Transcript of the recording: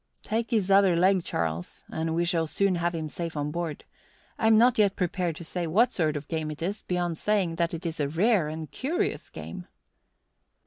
"Take his other leg, Charles, and we shall soon have him safe on board. I am not yet prepared to say what sort of game it is, beyond saying that it is a rare and curious game."